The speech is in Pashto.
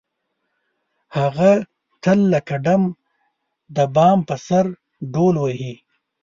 هغه تل لکه ډم د بام په سر ډول وهي.